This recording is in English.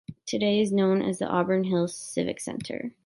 Today, it is known as the Auburn Hills Civic Center.